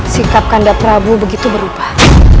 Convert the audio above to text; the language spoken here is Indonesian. sikap kanda prabu begitu berubah